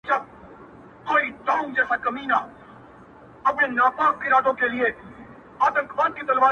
پر حقیقت به سترگي وگنډي خو,